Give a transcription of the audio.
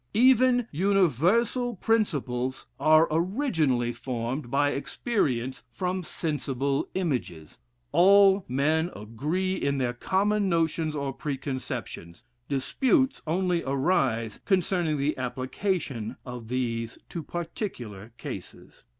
Even universal principles are originally formed by experience from sensible images. All men agree in their common notions or preconceptions; disputes only arise concerning the application of these to particular cases.